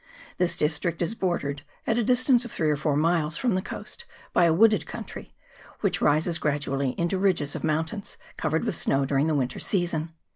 This district is bordered, at a distance of three or four miles from the coast, by a wooded country, which rises gradually into ridges of moun tains covered with snow during the winter season.